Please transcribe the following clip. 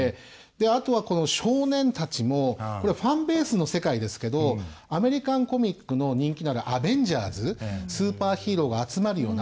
あとは少年たちもファンベースの世界ですけどアメリカンコミックの人気のある「アベンジャーズ」スーパーヒーローが集まるような。